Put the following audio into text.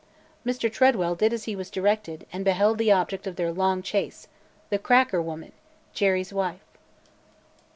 Mr. Tredwell did as he was directed and beheld the object of their long chase, the "cracker" woman, Jerry's wife.